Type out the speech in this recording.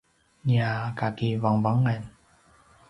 nia kakivangavangan